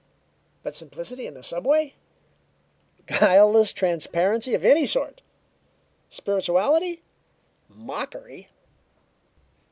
But simplicity in the subway? Guileless transparency of any sort? Spirituality? Mockery!